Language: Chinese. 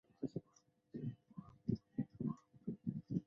毛山鼠李为鼠李科鼠李属下的一个变种。